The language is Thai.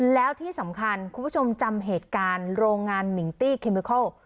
แล้วที่สำคัญคุณผู้ชมจำเหตุการณ์โรงงานมิงตี้เคมิเคิล